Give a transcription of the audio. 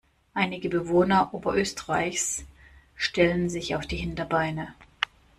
Einige Bewohner Oberösterreichs stellen sich auf die Hinterbeine.